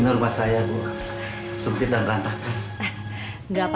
ini rumah saya berantakan banget